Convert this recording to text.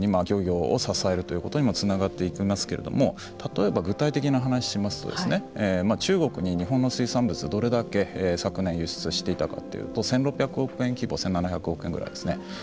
それ自身も福島の復興に漁業を支えるということにもつながっていきますけれども例えば具体的な話をしますと中国に日本の水産物どれだけ輸出していたかというと１６００億円規模１７００億円ぐらいですね。